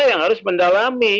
yang harus mendalami